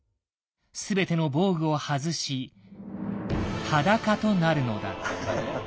全ての防具を外し裸となるのだ。